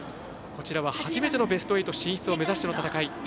こちらは初めてのベスト８進出を目指しての戦い。